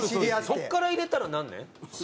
そこから入れたら何年？